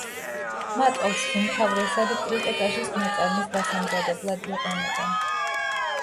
მატყლს უმთავრესად ტრიკოტაჟის ნაწარმის დასამზადებლად იყენებენ.